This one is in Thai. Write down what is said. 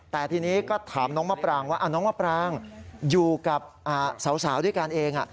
แต่ทีนี้ก็ถามน้องมะปรางว่าน้องมะปรางอยู่กับสาวด้วยกันเอง